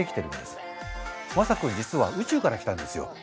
まさ君実は宇宙から来たんですよ。